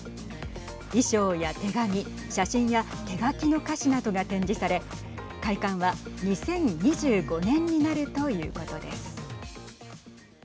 衣装や手紙、写真や手書きの歌詞などが展示され開館は２０２５年になるということです。